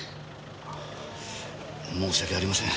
あぁ申し訳ありません。